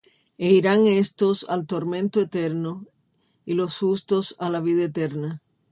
E irán éstos al tormento eterno, y los justos á la vida eterna.